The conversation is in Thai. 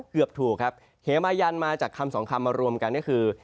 เกือบถูกครับเหมายันมาจากคำสองคำมารวมกันก็คือ